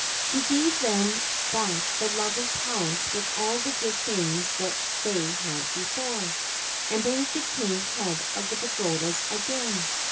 She gave them back the lovely palace with all the good things that they had before, and made the King head of the pagodas again.